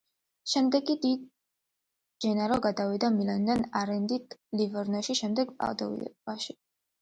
შემდეგ დი ჯენარო გადავიდა „მილანიდან“ არენდით „ლივორნოში“, შემდეგ „პადოვაში“.